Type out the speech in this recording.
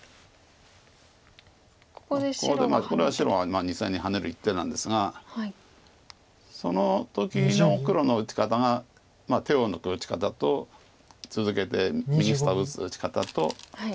ここでこれは白が２線にハネる一手なんですがその時の黒の打ち方が手を抜く打ち方と続けて右下を打つ打ち方と。